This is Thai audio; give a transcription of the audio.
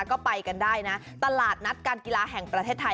ก็ไปกันได้นะตลาดนัดการกีฬาแห่งประเทศไทย